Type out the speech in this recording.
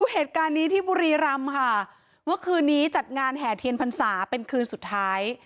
เหตุการณ์นี้ที่บุรีรำค่ะเมื่อคืนนี้จัดงานแห่เทียนพรรษาเป็นคืนสุดท้าย